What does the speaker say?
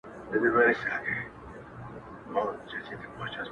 • چي زاغان مي خوري ګلشن او غوټۍ ورو ورو,